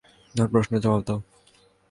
তার প্রশ্নের জবাব দাও।